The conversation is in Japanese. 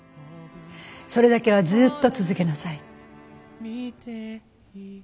それだけはずっと続けなさい。